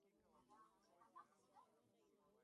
kuingia angani kupitia shughuli mbalimbali za kibinadamu